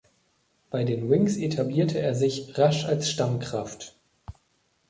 Bei den "Wings" etablierte er sich rasch als Stammkraft.